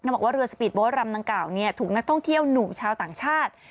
บอกว่าเรือสปีดโบ๊ทลำดังกล่าวถูกนักท่องเที่ยวหนุ่มชาวต่างชาติ